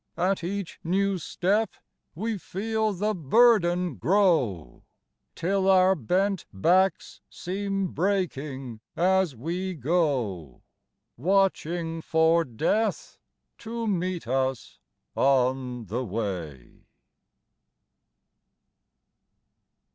At each new step we feel the burden grow, Till our bent backs seem breaking as we go, Watching for Death to meet us on the way.